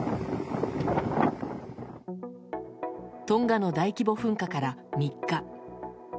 トンガの大規模噴火から３日。